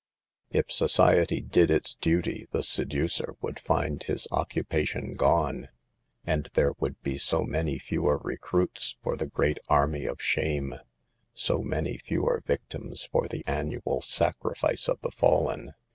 If society did its duty, the seducer would find his occupation gone, and there would be so many fewer recruits for the great army of shame, so many fewer victims for the annual sacrifice of the fallen.